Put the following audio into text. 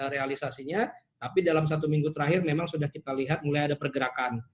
realisasinya tapi dalam satu minggu terakhir memang sudah kita lihat mulai ada pergerakan